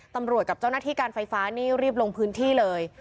กับเจ้าหน้าที่การไฟฟ้านี่รีบลงพื้นที่เลย